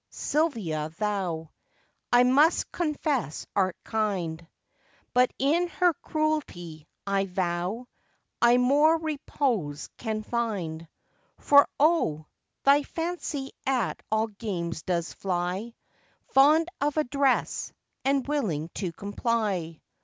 Sylvia, thou, I must confess art kind; But in her cruelty, I vow, I more repose can find. For, oh! thy fancy at all games does fly, Fond of address, and willing to comply.